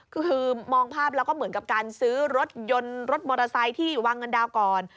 คือมองภาพแล้วก็เหมือนกับการซื้อรถยนต์รถมอเตอร์ไซค์ที่วางเงินดาวน์ก่อน